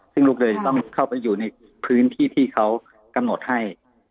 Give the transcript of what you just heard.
ซึ่งธนิตุเสนอต้องเข้าไปอยู่ในพื้นที่ที่เค้ากำหนดให้